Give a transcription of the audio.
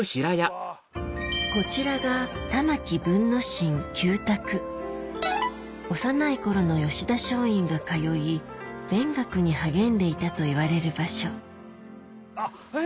こちらが幼い頃の吉田松陰が通い勉学に励んでいたといわれる場所あっえ